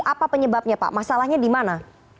apa penyebabnya pak masalahnya di mana